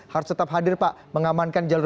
harus tetap hadir pak mengamankan jalur